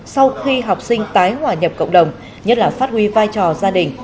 sau khi học sinh tái hòa nhập cộng đồng nhất là phát huy vai trò gia đình